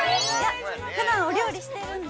◆ふだん、お料理してるので。